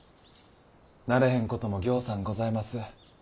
慣れへんこともぎょうさんございます。